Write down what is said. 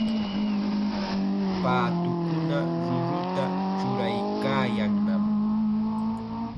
Paatukuna ruruta churaykaayannam.